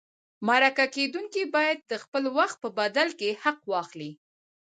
مرکه کېدونکی باید د خپل وخت په بدل کې حق واخلي.